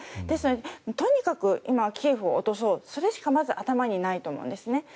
ですのでとにかく今、キエフを落とそうそれしかまず頭にないと思うんですね。